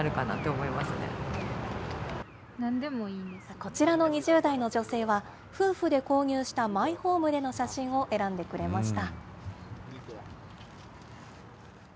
こちらの２０代の女性は、夫婦で購入したマイホームでの写真を選んでくれました。